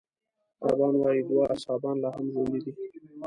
عربان وايي دوه اصحابان لا هم ژوندي دي.